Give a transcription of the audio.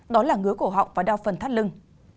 đó là ngứa cổ họng và đa phần thắt lưng